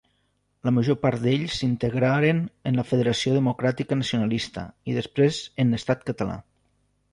La major part d'ells s'integraren en la Federació Democràtica Nacionalista, i després en Estat Català.